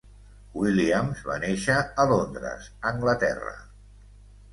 Williams va néixer a Londres, Anglaterra.